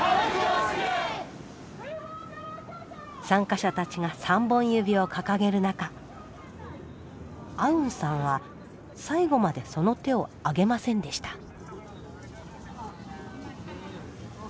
参加者たちが３本指を掲げる中アウンさんは最後までその手を上げませんでした。